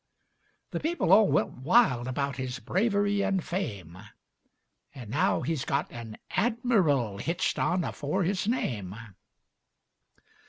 The people all went wild about His bravery and fame, An' now he's got an "Admiral" Hitched on afore his name.